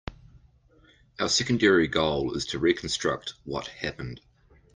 Our secondary goal is to reconstruct what happened.